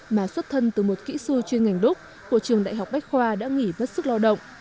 mà xuất thân từ một kỹ sư chuyên ngành đúc của trường đại học bách khoa đã nghỉ mất sức lao động